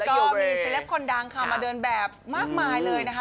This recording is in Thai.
ก็มีเซลปคนดังค่ะมาเดินแบบมากมายเลยนะคะ